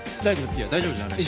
いや大丈夫じゃない。